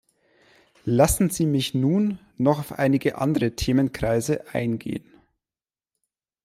Lassen Sie mich nun noch auf einige andere Themenkreise eingehen.